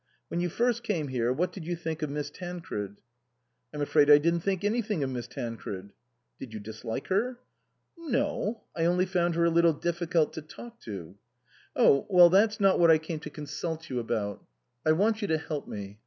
When you first came here what did you think of Miss Tancred ?" "I'm afraid I didn't think anything of Miss Tancred." " Did you dislike her ?" "ijN no. I only found her a little difficult to talk to." " Oh. Well, that's not what I came to consult 108 INLAND you about. I want you to help me.